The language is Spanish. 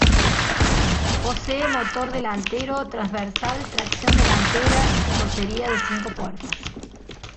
Posee motor delantero transversal, tracción delantera y carrocería de cinco puertas.